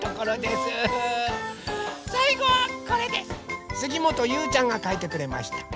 すぎもとゆうちゃんがかいてくれました。